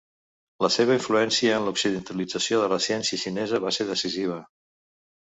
La seva influència en l'occidentalització de la ciència xinesa va ser decisiva.